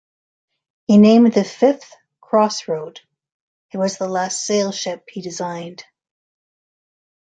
He named the fifth "Crossroad"; it was the last sail ship he designed.